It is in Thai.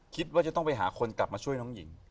คิดว่าจะต้องไปหาคนกลับมาช่วยน้องหญิง